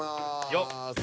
よっ。